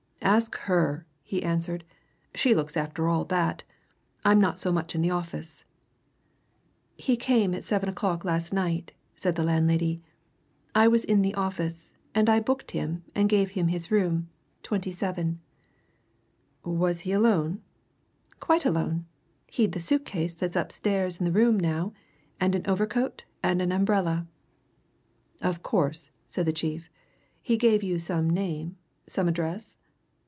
"Ask her," he answered. "She looks after all that I'm not so much in the office." "He came at seven o'clock last night," said the landlady. "I was in the office, and I booked him and gave him his room 27." "Was he alone?" "Quite alone. He'd the suit case that's upstairs in the room now, and an overcoat and an umbrella." "Of course," said the chief, "he gave you some name some address?"